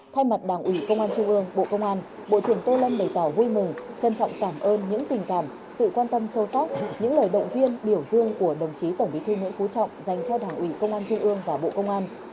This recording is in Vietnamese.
thay mặt đảng ủy công an trung ương bộ công an bộ trưởng tô lâm bày tỏ vui mừng trân trọng cảm ơn những tình cảm sự quan tâm sâu sắc những lời động viên biểu dương của đồng chí tổng bí thư nguyễn phú trọng dành cho đảng ủy công an trung ương và bộ công an